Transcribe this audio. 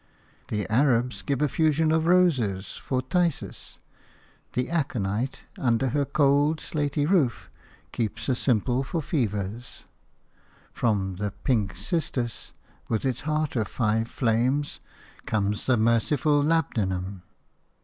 The Arabs give a fusion of roses for phthisis; the aconite, under her cold, slaty roof, keeps a simple for fevers; from the pink cistus, with its heart of five flames, comes the merciful labdanum.